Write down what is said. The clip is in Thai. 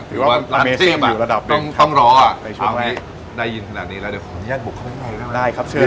ถือว่าร้านจิ้มอะต้องรออะตอนนี้ได้ยินขนาดนี้แล้วเดี๋ยวขออนุญาตบุกเข้าให้ในได้ไหม